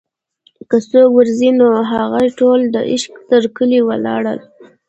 که څوک ور ځي نوهغه ټول دعشق تر کلي ولاړه